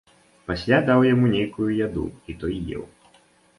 Пасля даў яму нейкую яду, і той еў.